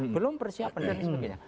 belum persiapan dan sebagainya